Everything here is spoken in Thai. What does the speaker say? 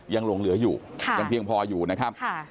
ยังหลงเหลืออยู่ยังเพียงพออยู่นะครับ